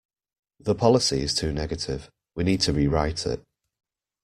The policy is too negative; we need to rewrite it